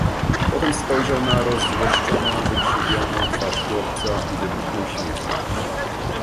Potem spojrzał na rozzłoszczoną, wykrzywioną twarz chłopca i wybuchnął śmiechem.